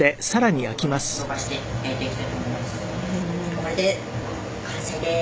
「これで完成です」